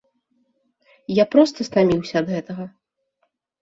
Я проста стаміўся ад гэтага.